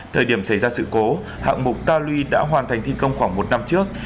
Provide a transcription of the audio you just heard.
thời điểm xảy ra sự cố hạng mục ta luy đã hoàn thành thi công khoảng một năm trước